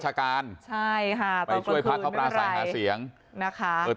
ใช่บ่อยช่วยพระเกาะประสาทหาเสียง